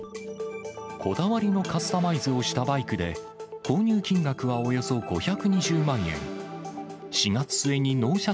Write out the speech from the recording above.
こだわりのカスタマイズをしたバイクで、購入金額はおよそ５２０万円。